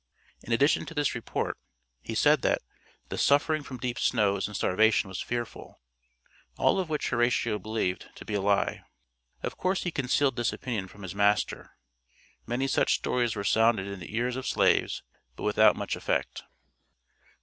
In addition to this report he said that "the suffering from deep snows and starvation was fearful," all of which Horatio believed "to be a lie." Of course he concealed this opinion from his master. Many such stories were sounded in the ears of slaves but without much effect.